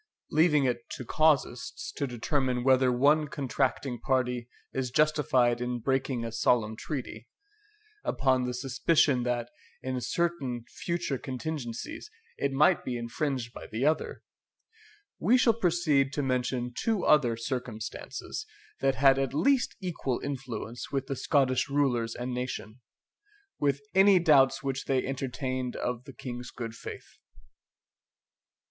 Leaving it to casuists to determine whether one contracting party is justified in breaking a solemn treaty, upon the suspicion that, in certain future contingencies, it might be infringed by the other, we shall proceed to mention two other circumstances that had at least equal influence with the Scottish rulers and nation, with any doubts which they entertained of the King's good faith.